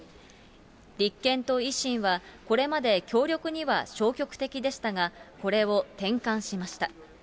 立憲と維新はこれまで協力には消極的でしたが、これを転換しました。